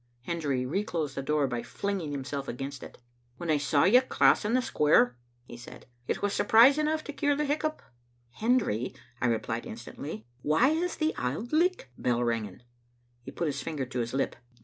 Hendry reclosed the door by flinging himself against it. "When I saw you crossing the square," he said, ''it was surprise enough to cure the hiccup." ••Hendry,"! replied instantly, ''why is the Auld Licht bell ringing?" He put his finger to his lip.